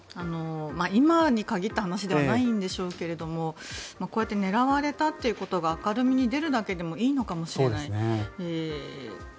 今に限った話ではないんでしょうけどもこうやって狙われたということが明るみに出るだけでもいいのかもしれない。